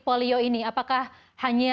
polio ini apakah hanya